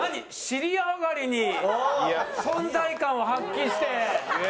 尻上がりに存在感を発揮して。